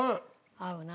合うな。